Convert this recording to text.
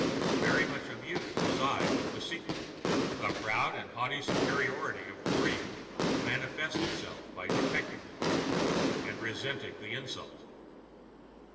Very much amused was I with the sequel. The proud and haughty superiority of the breed manifested itself by detecting the cheat and resenting the insult.